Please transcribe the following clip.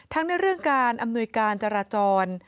ในเรื่องการอำนวยการจราจร